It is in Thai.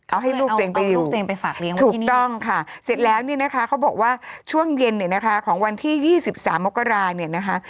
เอาให้ลูกเองไปอยู่ถูกต้องค่ะเสร็จแล้วเนี่ยนะคะเขาบอกว่าช่วงเย็นเนี่ยนะคะของวันที่๒๓โมกราณเนี่ยนะคะ